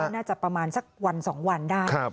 น่าจะประมาณสักวัน๒วันได้